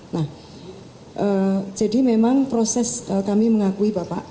nah jadi memang proses kami mengakui bapak